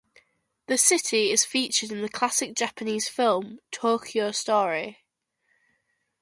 The city is featured in the classic Japanese film "Tokyo Story".